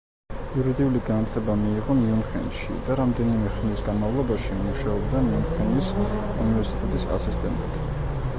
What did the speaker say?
იურიდიული განათლება მიიღო მიუნხენში და რამდენიმე ხნის განმავლობაში მუშაობდა მიუნხენის უნივერსიტეტის ასისტენტად.